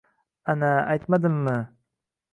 Ana, aytmadimmi?!